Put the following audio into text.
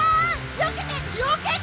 よけてよけて！